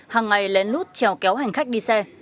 hàng ngày lén lút chèo kéo hành khách đi xe